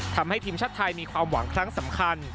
ทำให้ทีมชาติไทยมีความหวังครั้งสำคัญ